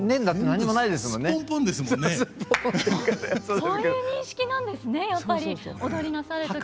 そういう認識なんですねやっぱり踊りなされる時。